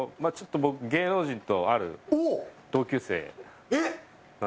あちょっと僕芸能人とある同級生なんですよ。